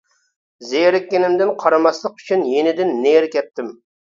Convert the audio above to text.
زېرىككىنىمدىن قارىماسلىق ئۈچۈن يېنىدىن نېرى كەتتىم.